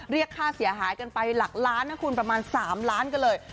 เรียกค่าเสียหายกันไปหลักล้านนะคุณประมาณ๓ล้านกันเลย